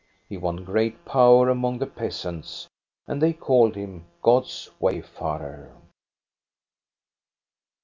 He won great power among the peasants, and they called him God's wayfarer.